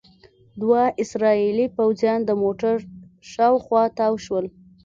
دوه اسرائیلي پوځیان د موټر شاوخوا تاو شول.